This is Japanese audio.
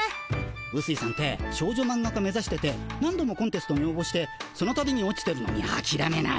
うすいさんて少女マンガ家目指してて何度もコンテストにおうぼしてそのたびに落ちてるのにあきらめない。